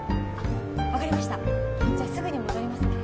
分かりましたじゃあすぐに戻りますね